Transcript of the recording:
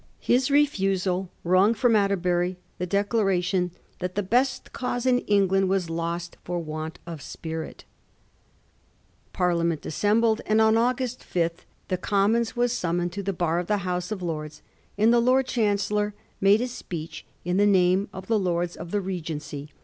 His refusal wrung from Atterbury the declaration that the best cause in England was lost for want of spirit. Parliament assembled, and on August 5 the Commons were summoned to the Bar of the House of Lords, and the Lord Chancellor made a speech in the name of the Lords of the Regency.